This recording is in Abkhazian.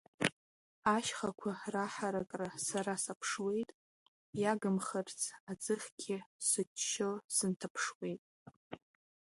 Ашьхақәа раҳаракра сара саԥшуеит, иагымхарц аӡыхьгьы сыччо сынҭаԥшуеит.